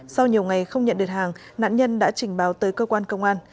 sau nhiều ngày không nhận được hàng nạn nhân đã trình báo tới cơ quan công an